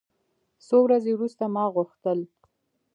څو ورځې وروسته ما غوښتل.